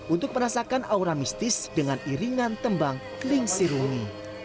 untuk merasakan aura mistis dengan iringan tembang kling sirungi